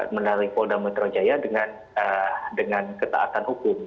menarik polda metronjaya dengan ketaatan hukum